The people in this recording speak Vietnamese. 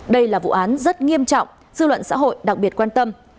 đây là vụ án rất nghiêm trọng dư luận xã hội đặc biệt quan tâm